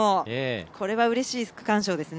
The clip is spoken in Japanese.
これはうれしい区間賞ですね。